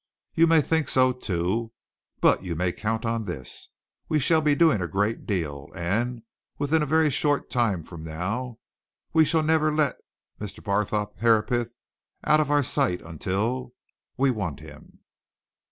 You may think so, too. But you may count on this we shall be doing a great deal, and within a very short time from now we shall never let Mr. Barthorpe Herapath out of our sight until we want him."